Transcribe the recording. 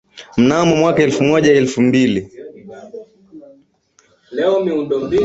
mnamo mwaka elfu moja elfu mbili